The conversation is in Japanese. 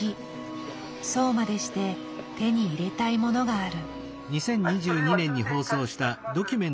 そうまでして手に入れたいものがある。